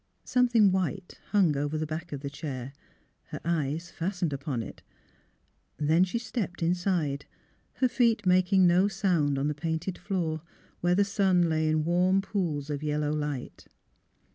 Something white hung over the back of the chair. Her eyes fastened upon it. Then she stepped in side, her feet making no sound on the painted floor, where the sun lay in wai*m pools of yellow light.